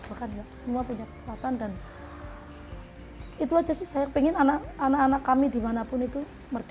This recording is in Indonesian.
bahkan ya semua punya kesempatan dan itu aja sih saya pengen anak anak kami dimanapun itu merdeka